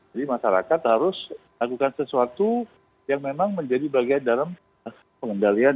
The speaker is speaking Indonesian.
jadi masyarakat harus lakukan sesuatu yang memang menjadi bagian dalam pengendalian